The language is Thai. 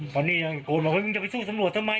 ตอนนี้โกนบอกว่ามันจะไปสู้สำรวจทำไม